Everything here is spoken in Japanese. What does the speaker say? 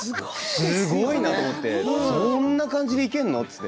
すごいなと思ってそんな感じにいけるのって。